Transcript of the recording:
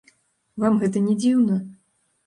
Вам гэта не дзіўна?